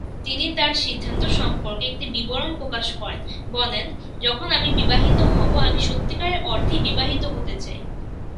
তিনি তার সিদ্ধান্ত সম্পর্কে একটি বিবরণ প্রকাশ করেন, বলেন, "যখন আমি বিবাহিত হব, আমি সত্যিকার অর্থেই বিবাহিত হতে চাই।"